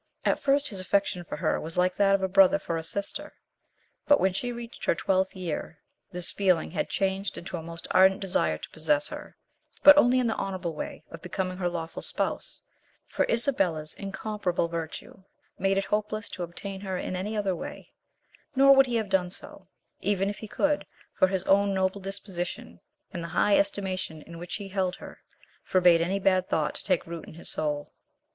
At first his affection for her was like that of a brother for a sister, but when she reached her twelfth year, this feeling had changed into a most ardent desire to possess her, but only in the honourable way of becoming her lawful spouse; for Isabella's incomparable virtue made it hopeless to obtain her in any other way, nor would he have done so even, if he could, for his own noble disposition, and the high estimation in which he held her, forbade any bad thought to take root in his soul.